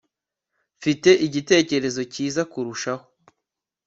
mfite igitekerezo cyiza kurushaho